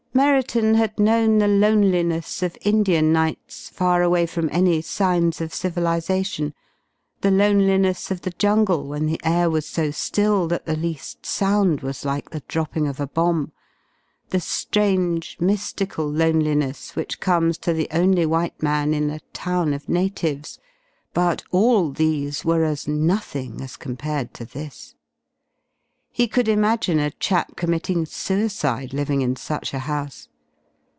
Merriton had known the loneliness of Indian nights, far away from any signs of civilization: the loneliness of the jungle when the air was so still that the least sound was like the dropping of a bomb; the strange mystical loneliness which comes to the only white man in a town of natives. But all these were as nothing as compared to this. He could imagine a chap committing suicide living in such a house.